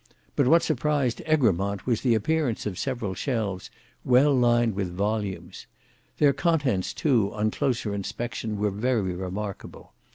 But what surprised Egremont was the appearance of several shelves well lined with volumes. Their contents too on closer inspection were very remarkable.